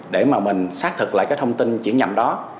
để mà mình xác thực lại cái thông tin chuyển nhầm đó